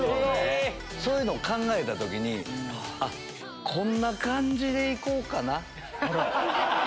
そういうのを考えた時にこんな感じで行こうかなって。